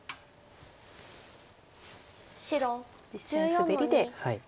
実戦スベリで。